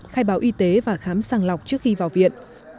khai báo y tế và khám sàng lọc trước khi vào viện